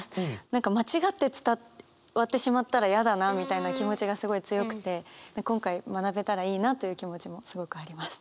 何か間違って伝わってしまったら嫌だなみたいな気持ちがすごい強くて今回学べたらいいなという気持ちもすごくあります。